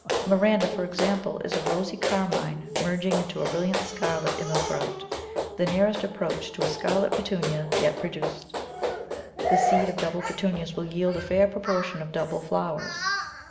Miranda, for example, is a rosy carmine merging into a brilliant scarlet in the throat — the nearest approach to a scarlet Petunia yet produced. The seed of double Petunias will yield a fair proportion of double flow ers.